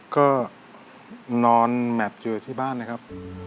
ก็นอนแมพอยู่ที่บ้านนะครับ